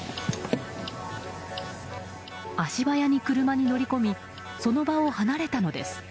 足早に車に乗り込みその場を離れたのです。